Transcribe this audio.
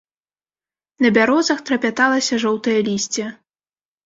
На бярозах трапяталася жоўтае лісце.